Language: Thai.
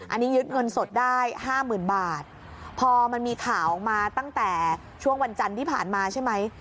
อันนี้ยึดเงินสดได้ห้าหมื่นบาทพอมันมีข่าวออกมาตั้งแต่ช่วงวันจันทร์ที่ผ่านมาใช่ไหม